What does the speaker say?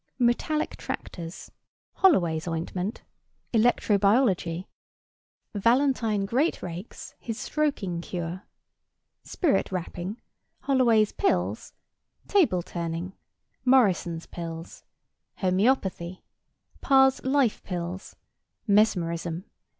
Metallic tractors. Holloway's Ointment. Electro biology. Valentine Greatrakes his Stroking Cure. Spirit rapping. Holloway's Pills. Table turning. Morison's Pills. Homœopathy. Parr's Life Pills. Mesmerism.